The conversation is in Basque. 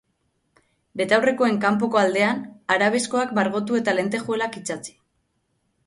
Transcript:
Betaurrekoen kanpoko aldean, arabeskoak margotu eta lentejuelak itsatsi.